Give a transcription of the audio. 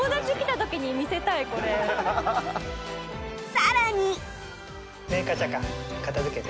さらに